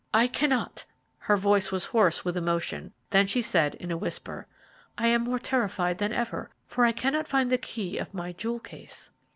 "I cannot." Her voice was hoarse with emotion, then she said, in a whisper: "I am more terrified than ever, for I cannot find the key of my jewel case."